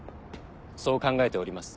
そう考えております。